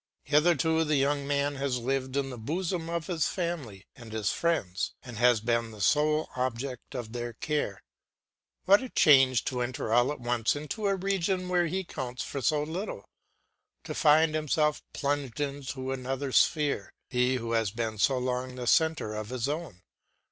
Hitherto the young man has lived in the bosom of his family and his friends, and has been the sole object of their care; what a change to enter all at once into a region where he counts for so little; to find himself plunged into another sphere, he who has been so long the centre of his own.